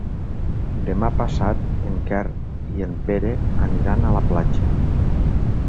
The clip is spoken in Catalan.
Demà passat en Quer i en Pere aniran a la platja.